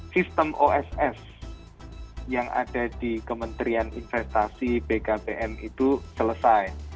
sistem oss yang ada di kementerian investasi bkpm itu selesai